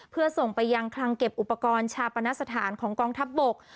เพื่อส่งไปยังคลังเก็บอุปกรณ์ชาปนสถานของกองทัพบก